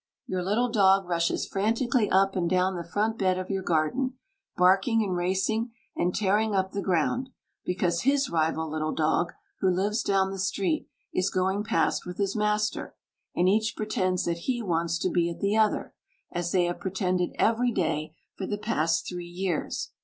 Your little dog rushes frantically up and down the front bed of your garden, barking and racing, and tearing up the ground, because his rival little dog, who lives down the street, is going past with his master, and each pretends that he wants to be at the other as they have pretended every day for the past three years.